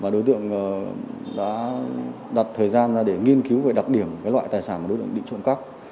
đối tượng đã đặt thời gian ra để nghiên cứu về đặc điểm loại tài sản của đối tượng địa trộn cắp